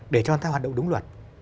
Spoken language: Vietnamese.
để cho người ta hoạt động đúng luật